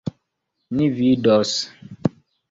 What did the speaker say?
Ni vidos!